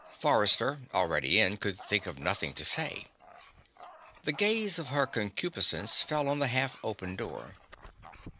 Forrester, already in, could think of nothing to say. The gaze of Her Concupiscence fell on the half open door.